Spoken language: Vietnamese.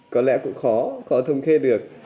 có lẽ cũng khó khó thống kê được